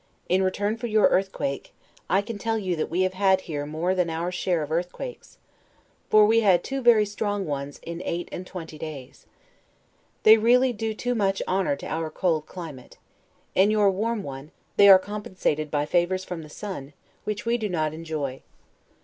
In return for your earthquake, I can tell you that we have had here more than our share of earthquakes; for we had two very strong ones in eight and twenty days. They really do too much honor to our cold climate; in your warm one, they are compensated by favors from the sun, which we do not enjoy.